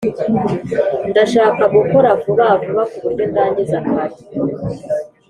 Ndashaka gukora vuba vuba kuburyo ndangiza kare